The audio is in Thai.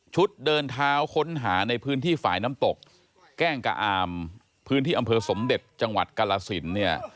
เดินเท้าค้นหาในพื้นที่ฝ่ายน้ำตกแก้งกะอามพื้นที่อำเภอสมเด็จจังหวัดกาลสินเนี่ย